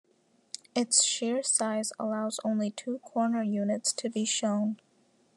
Its sheer size allows only two corner units to be shown.